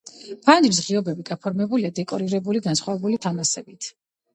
ფანჯრის ღიობები გაფორმებულია დეკორირებული განსხვავებული თამასებით.